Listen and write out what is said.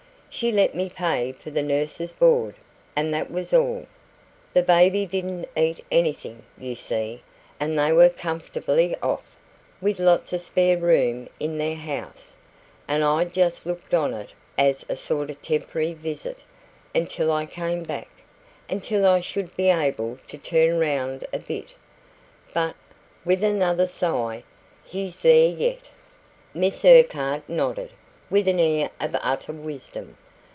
She let me pay for the nurse's board, and that was all. The baby didn't eat anything, you see, and they were comfortably off, with lots of spare room in their house, and I just looked on it as a sort of temporary visit until I came back until I should be able to turn round a bit. But" with another sigh "he's there yet." Miss Urquhart nodded, with an air of utter wisdom.